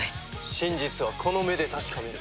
真実はこの目で確かめる。